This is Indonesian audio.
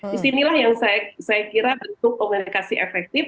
disinilah yang saya kira bentuk komunikasi efektif